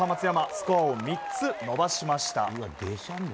スコアを３つ伸ばしました。